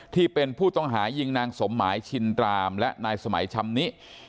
ที่เป็นผู้ต้องหายิงนางสมหมายชินตรามและนายสมัยชำนิ